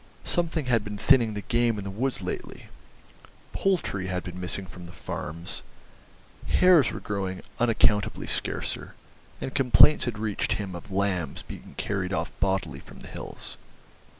Something had been thinning the game in the woods lately, poultry had been missing from the farms, hares were growing unaccountably scarcer, and complaints had reached him of lambs being carried off bodily from the hills.